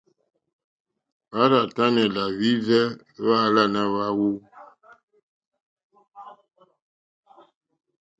Hwá rzà tánɛ̀ làhwírzɛ́ hwáàlánà hwáwú.